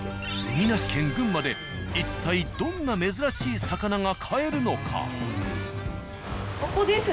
海なし県群馬で一体どんな珍しい魚が買えるのか？